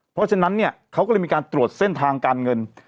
เพราะฉะนั้นเนี่ยเขาก็เลยมีการตรวจเส้นทางการเงิน